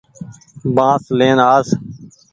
بآس لين آس۔